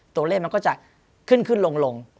ตัวเลขมันก็จะขึ้นลง